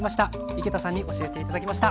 井桁さんに教えて頂きました。